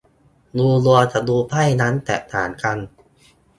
ดูดวงกับดูไพ่นั้นแตกต่างกัน